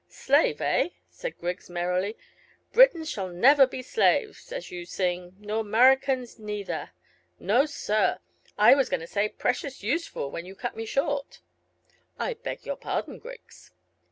"Slave, eh?" said Griggs merrily. "Britons never shall be slaves, as you sing nor Murricans neither. No, sir. I was going to say precious useful, when you cut me short." "I beg your pardon, Griggs."